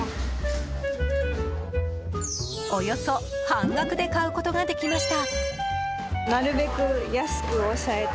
およそ半額で買うことができました。